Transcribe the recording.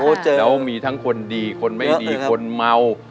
แล้วมีทั้งคนดีคนไม่ดีคนเมา